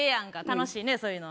楽しいねそういうの。